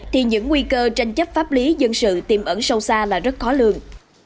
thì những nguy cơ tranh chấp pháp lý dân sự tiềm ẩn sâu xa là rất khó lường